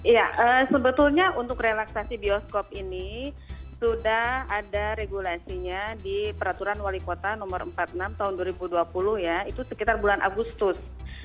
ya sebetulnya untuk relaksasi bioskop ini sudah ada regulasinya di peraturan wali kota nomor empat puluh enam tahun dua ribu dua puluh ya itu sekitar bulan agustus